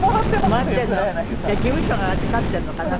事務所が預かっているのかな？